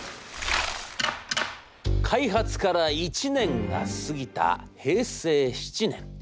「開発から１年が過ぎた平成７年。